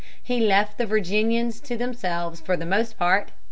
He left the Virginians to themselves for the most part.